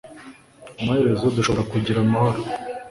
amaherezo dushobora kugira amahoro